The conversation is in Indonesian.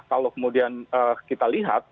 kalau kemudian kita lihat